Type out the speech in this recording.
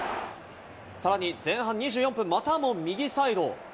さらに前半２４分、またも右サイド。